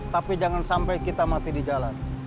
tapi jangan sampai kita mati di jalan